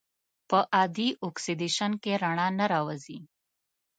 په عادي اکسیدیشن کې رڼا نه راوځي.